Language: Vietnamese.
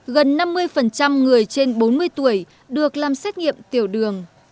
gần năm mươi phần trăm người trên bốn mươi tuổi được làm xét nghiệm tiểu đường